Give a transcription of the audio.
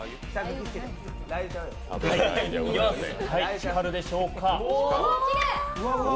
光るでしょうか。